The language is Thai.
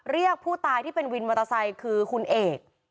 เรียกผู้ตายที่เป็นวินมอเตอร์ไซค์คือคุณเอก